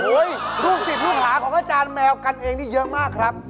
ลูกศิษย์ลูกหาของอาจารย์แมวกันเองนี่เยอะมากครับ